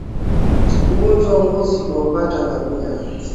Ugonjwa wa ngozi huwapata ngamia